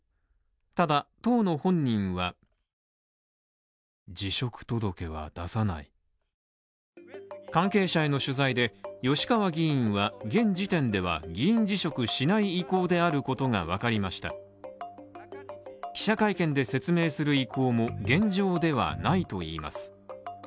ただ、当の本人は関係者への取材で、吉川議員は、現時点では、議員辞職しない意向であることがわかりました記者会見で説明する意向も現状ではないと言います。